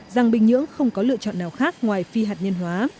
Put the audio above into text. rằng bình nhưỡng không có lựa chọn nào khác ngoài phi hạt nhân hóa